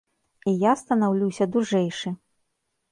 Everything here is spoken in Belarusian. І я станаўлюся дужэйшы.